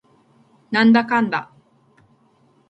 なんだかんだ